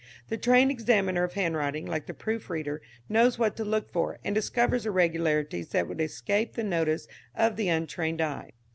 The trained examiner of handwriting, like the proof reader, knows what to look for, and discovers irregularities that would escape the notice of the untrained eye.